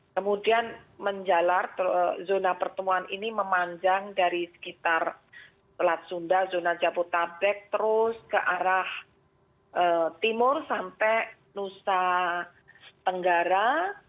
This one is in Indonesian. kemudian menjalar zona pertemuan ini memanjang dari sekitar selat sunda zona jabotabek terus ke arah timur sampai nusa tenggara